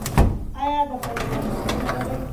ایا د پیسو ستونزه لرئ؟